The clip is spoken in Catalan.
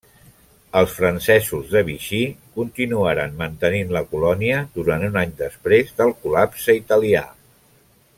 Els francesos de Vichy continuaren mantenint la colònia durant un any després del col·lapse italià.